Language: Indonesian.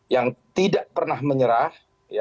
yang tidak pernah menyerah